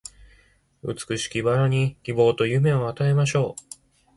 美しき薔薇に希望と夢を与えましょう